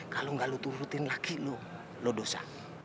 kalau enggak lo turutin laki lo lo dosa